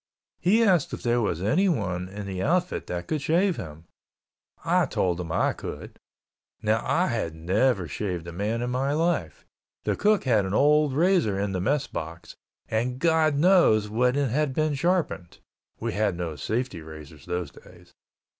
He asked if there was anyone in the outfit that could shave him. I told him I could. Now I had never shaved a man in my life, the cook had an old razor in the Mess box, and God knows when it had been sharpened, (we had no safety razors those days).